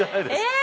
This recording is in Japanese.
え。